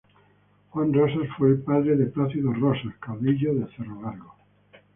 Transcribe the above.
Juan Rosas fue el padre de Plácido Rosas, caudillo de Cerro Largo.